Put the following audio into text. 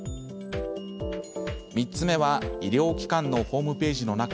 ３つ目は医療機関のホームページの中。